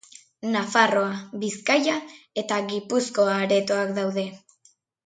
Nafarroa, Bizkaia eta Gipuzkoa aretoak daude.